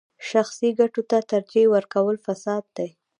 شخصي ګټو ته ترجیح ورکول فساد دی.